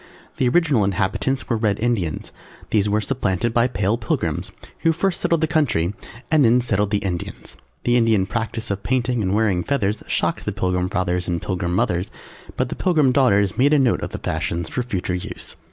The Original inhabitants were Red Indians; these were supplanted by Pale Pilgrims, who first settled the country and then settled the Indians. The Indian practice of painting and wearing feathers shocked the Pilgrim Fathers and Pilgrim Mothers, but the Pilgrim Daughters made a note of the fashions for future use.